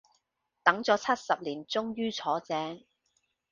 等咗七十年終於坐正